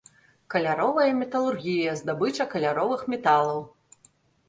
Каляровая металургія, здабыча каляровых металаў.